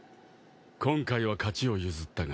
今回は勝ちを譲ったが。